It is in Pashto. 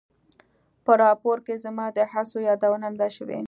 په راپور کې زما د هڅو یادونه نه ده شوې.